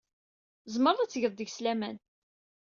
Tzemreḍ ad tgeḍ deg-s laman.